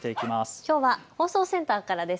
きょうは放送センターからです。